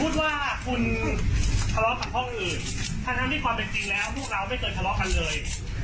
ถ้าทำไม่ความเป็นจริงแล้วพวกเราไม่เกิดทะเลาะกันเลย